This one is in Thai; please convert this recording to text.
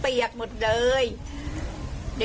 ว้างดาวซัมาเปียกหมดเลย